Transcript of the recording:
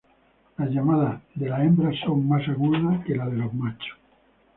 Las llamadas de las hembras son más agudas que las de los machos.